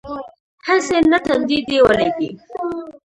هسې نه تندی دې ولګېږي.